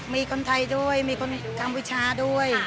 มีคนไทยด้วยมีคนกัมพูชาด้วย